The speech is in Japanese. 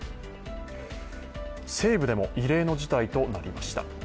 西武でも異例の事態となりました。